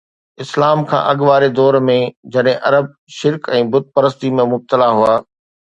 اسلام کان اڳ واري دور ۾، جڏهن عرب شرڪ ۽ بت پرستي ۾ مبتلا هئا